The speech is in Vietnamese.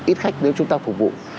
ít khách nếu chúng ta phục vụ